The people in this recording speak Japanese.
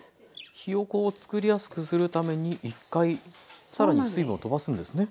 ひよこをつくりやすくするために１回更に水分をとばすんですね。